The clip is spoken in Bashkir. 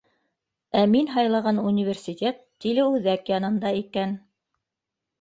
Ә мин һайлаған университет Телеүҙәк янында икән.